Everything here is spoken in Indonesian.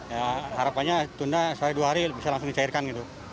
ya harapannya tunda sampai dua hari bisa langsung dicairkan gitu